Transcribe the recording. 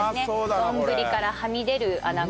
丼からはみ出る穴子。